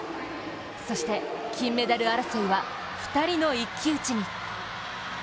そして金メダル争いは２人の一騎打ちに。